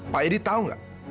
pak yadi tau gak